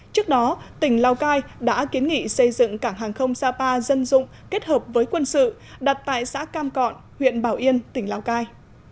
trước đó tỉnh lào cai đã kiến nghị xây dựng cảng hàng không sapa dân dụng kết hợp với quân sự đặt tại xã cam cọn huyện bảo yên tỉnh lào cai